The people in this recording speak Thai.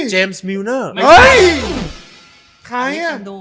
เห้ย